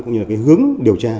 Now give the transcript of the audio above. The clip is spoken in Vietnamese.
cũng như là cái hướng điều tra